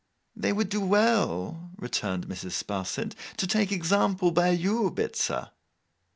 'They would do well,' returned Mrs. Sparsit, 'to take example by you, Bitzer.